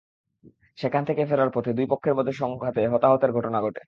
সেখান থেকে ফেরার পথে দুই পক্ষের মধ্যে সংঘাতে হতাহতের ঘটনা ঘটে।